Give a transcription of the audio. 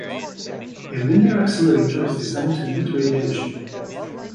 A linear accelerator is designed to emit radiation.